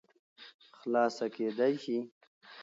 خلاصه کېداى شي